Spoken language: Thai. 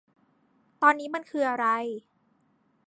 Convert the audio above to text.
ตอนนี้มันคืออะไร